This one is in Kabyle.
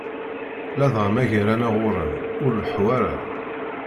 Ladɣa ma gar-aneɣ ɣur-m ur leḥḥu ara.